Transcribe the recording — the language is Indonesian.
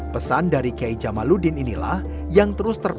pesan dari kiai jamaludin inilah yang terus terjadi